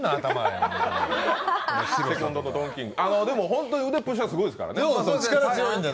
本当に腕っぷしはすごいですからね。